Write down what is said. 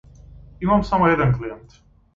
Имам само еден клиент.